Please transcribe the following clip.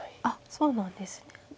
あっそうなんですね。